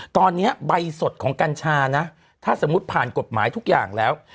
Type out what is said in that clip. ตอนนี้ใบสดของกัญชานะถ้าสมมุติผ่านกฎหมายทุกอย่างแล้ว